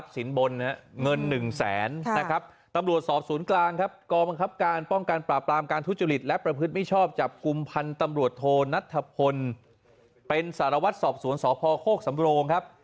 ศาลศาสตร์พโฮคสำโรงครับ